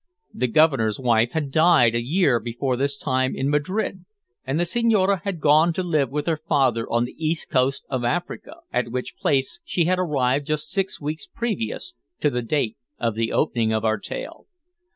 The Governor's wife had died a year before this time in Madrid, and the Senhorina had gone to live with her father on the east coast of Africa, at which place she had arrived just six weeks previous to the date of the opening of our tale.